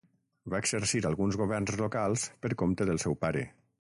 Va exercir alguns governs locals per compte del seu pare.